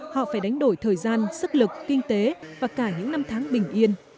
họ phải đánh đổi thời gian sức lực kinh tế và cả những năm tháng bình yên